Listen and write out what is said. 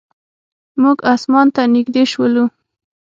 موږ اسمان ته نږدې شولو.